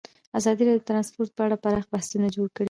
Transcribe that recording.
ازادي راډیو د ترانسپورټ په اړه پراخ بحثونه جوړ کړي.